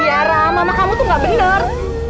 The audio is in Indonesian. kiara mama kamu tuh enggak benar